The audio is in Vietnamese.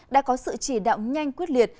đã có sự chỉ đạo nhanh quyết liệt